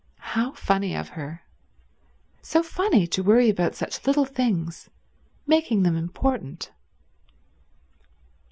How funny of her. So funny to worry about such little things, making them important.